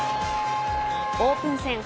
オープン戦